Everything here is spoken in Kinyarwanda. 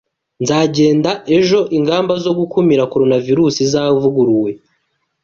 Nzagenda ejo ingamba zo gukumira Coronavirusi zavuguruwe